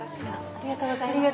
ありがとうございます。